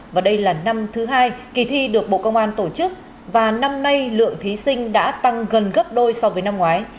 và đây là năm thứ hai kỳ thi được bộ công an tổ chức và năm nay lượng thí sinh đã tăng gần gấp đôi so với năm ngoái